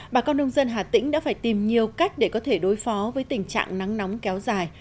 bà con nông dân hà tĩnh đã phải tìm nhiều cách để có thể đối phó với tình trạng nắng nóng kéo dài